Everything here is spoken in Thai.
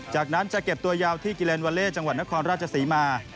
จากนั้นจะเก็บตัวยาวที่กิเลนวาเล่จังหวัดนครราชศรีมา